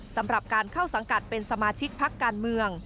สำหรับการเข้าสังกัดเป็นสมาชิกพักการเมือง